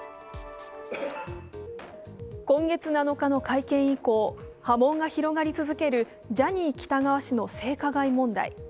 今月７日の会見以降、波紋が広がり続けるジャニー喜多川氏の性加害問題。